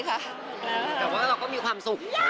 จะมีความสุข